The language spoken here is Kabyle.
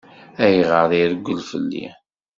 Ayɣer i ireggel fell-i?